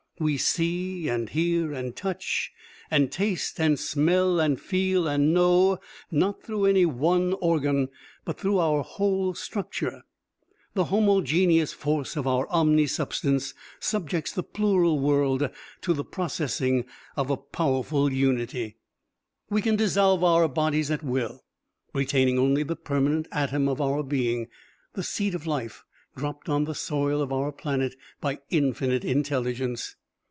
We see and hear and touch and taste and smell and feel and know, not through any one organ, but through our whole structure. The homogeneous force of our omni substance subjects the plural world to the processing of a powerful unity. "We can dissolve our bodies at will, retaining only the permanent atom of our being, the seed of life dropped on the soil of our planet by Infinite Intelligence.